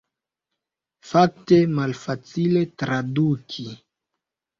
Fakte malfacile traduki.